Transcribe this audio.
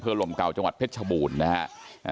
เพื่อลมก่าวจังหวัดเพชรบูรณ์นะครับ